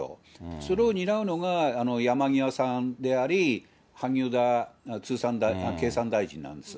それを担うのが山際さんであり、萩生田経産大臣なんですよ。